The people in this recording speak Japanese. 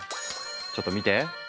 ちょっと見て！